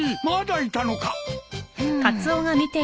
まだいたのか。